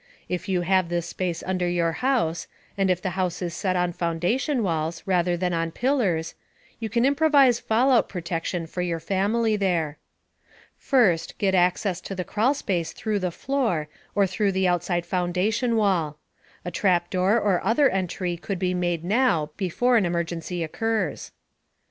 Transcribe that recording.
If you have this space under your house and if the house is set on foundation walls, rather than on pillars you can improvise fallout protection for your family there. First, get access to the crawl space through the floor or through the outside foundation wall. (A trapdoor or other entry could be made now, before an emergency occurs.)